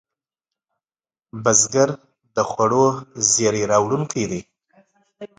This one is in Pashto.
بزګر د خوړو زېری راوړونکی دی